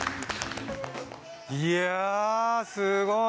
いやすごい！